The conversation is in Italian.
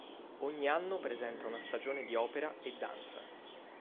Ogni anno presenta una stagione di opera e danza.